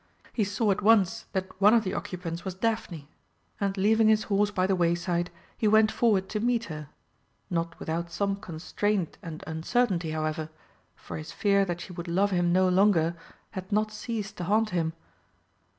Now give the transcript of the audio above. He saw at once that one of the occupants was Daphne, and leaving his horse by the wayside he went forward to meet her, not without some constraint and uncertainty, however, for his fear that she would love him no longer had not ceased to haunt him.